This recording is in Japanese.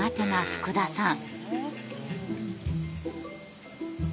福田さん